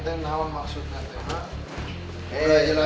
itu apa maksudnya neng